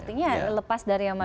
votingnya lepas dari manual